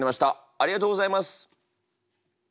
ありがとうございます。